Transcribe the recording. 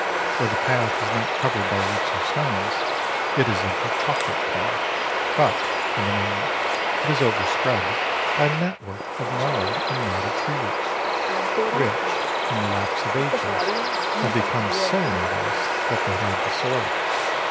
Where the path is not covered by roots or stones, it is of a chocolate colour; but, in the main, it is overspread by a network of gnarled and knotted tree roots, which, in the lapse of ages, have become so interlaced that they hide the soil.